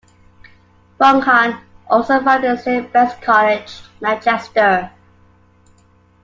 Vaughan also founded Saint Bede's College, Manchester.